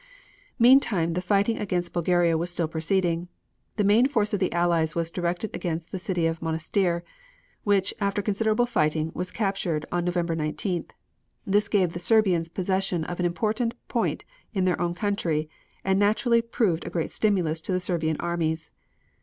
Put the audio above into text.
Meantime the fighting against Bulgaria was still proceeding. The main force of the Allies was directed against the city of Monastir, which, after considerable fighting, was captured on November 19th. This gave the Serbians possession of an important point in their own country and naturally proved a great stimulus to the Serbian armies.